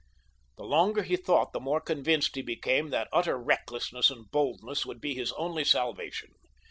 The longer he thought the more convinced he became that utter recklessness and boldness would be his only salvation.